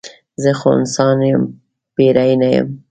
زه خو انسان یم پیری نه یم.